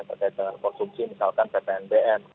terutama konsumsi misalkan pt nbn